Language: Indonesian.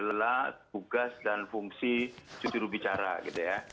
lelah tugas dan fungsi jurubicara gitu ya